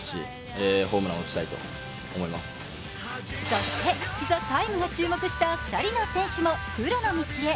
そして、「ＴＨＥＴＩＭＥ，」が注目した２人の選手もプロの道へ。